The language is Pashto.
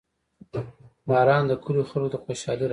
• باران د کلیو خلکو ته خوشحالي راوړي.